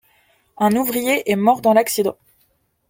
Un ouvrier est mort dans l'accident.